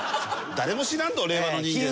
誰も知らんぞ令和の人間それ。